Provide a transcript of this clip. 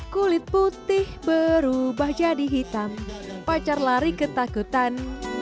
kulit putih berubah jadi hitam pacar lari ketakutan